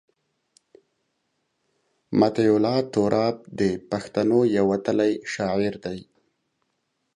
مطیع الله تراب د پښتنو یو وتلی شاعر دی.